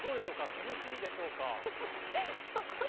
涼しいでしょうか？